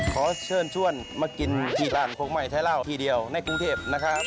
ขอเชิญชวนมากินที่ร้านคงใหม่ไทยเหล้าที่เดียวในกรุงเทพนะครับ